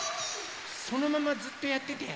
そのままずっとやってて。